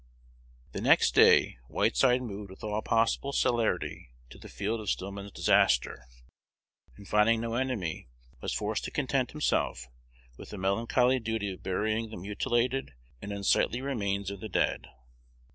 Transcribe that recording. The next day Whiteside moved with all possible celerity to the field of Stillman's disaster, and, finding no enemy, was forced to content himself with the melancholy duty of burying the mutilated and unsightly remains of the dead.